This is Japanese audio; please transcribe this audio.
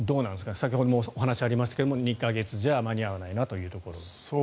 先ほどもお話がありましたが２か月じゃ間に合わないなというところ。